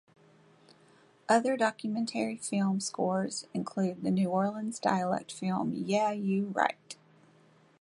Other documentary film scores include the New Orleans dialect film Yeah You Rite!